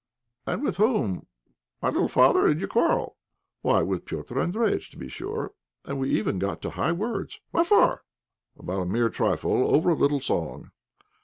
"And with whom, my little father, did you quarrel?" "Why, with Petr' Andréjïtch, to be sure, and we even got to high words." "What for?" "About a mere trifle, over a little song."